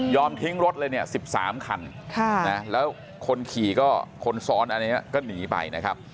ยอมทิ้งรถเลยเนี่ยสิบสามคันค่ะแล้วคนขี่ก็คนซ้อนอันเนี้ยก็หนีไปนะครับ